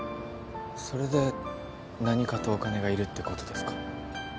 それで何かとお金が要るってことですか。